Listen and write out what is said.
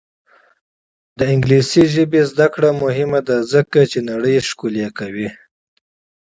د انګلیسي ژبې زده کړه مهمه ده ځکه چې نړۍ ښکلې کوي.